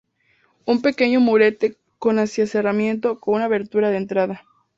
Un pequeño murete con hacía de cerramiento, con una abertura de entrada.